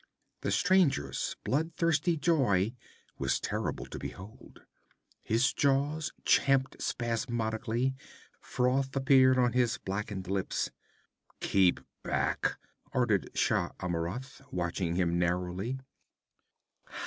The stranger's bloodthirsty joy was terrible to behold. His jaws champed spasmodically, froth appeared on his blackened lips. 'Keep back!' ordered Shah Amurath, watching him narrowly.